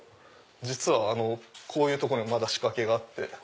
実はこういうとこにもまだ仕掛けがあって。